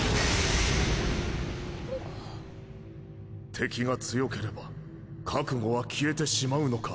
敵が強ければ覚悟は消えてしまうのか？